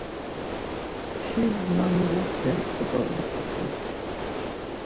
Tis na malupe ǩabaxati t̆u.